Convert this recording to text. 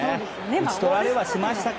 打ち取られはしましたが。